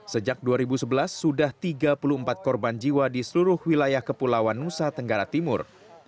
sejak dua ribu sebelas sudah tiga puluh empat korban jiwa di seluruh wilayah kepulauan nusa tenggara timur